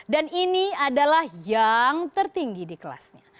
dan ini adalah yang tertinggi di kelasnya